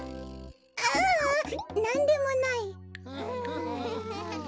ううんなんでもない。